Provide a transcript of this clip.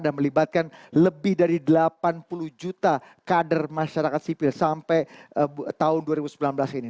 dan melibatkan lebih dari delapan puluh juta kader masyarakat sipil sampai tahun dua ribu sembilan belas ini